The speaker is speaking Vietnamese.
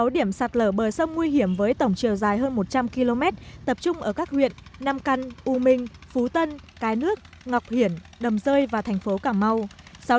sáu điểm sạt lở bờ sông nguy hiểm với tổng chiều dài hơn một trăm linh km tập trung ở các huyện nam căn u minh phú tân cái nước ngọc hiển đầm rơi và thành phố cà mau